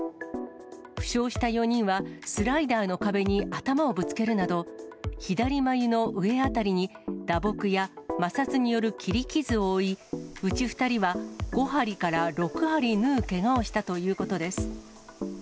負傷した４人は、スライダーの壁に頭をぶつけるなど、左まゆの上あたりに、打撲や摩擦による切り傷を負い、うち２人は、５針から６針縫うけがをしたということです。